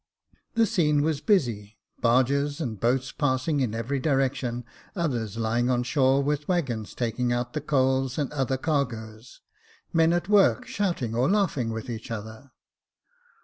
The scene was busy, barges and boats passing in every direction, others lying on shore, with waggons taking out the coals and other cargoes, men at work, shouting or laughing with each other.